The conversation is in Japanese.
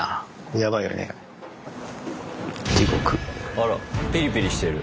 あらピリピリしてる。